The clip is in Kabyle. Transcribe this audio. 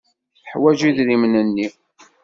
Teḥwaj idrimen-nni.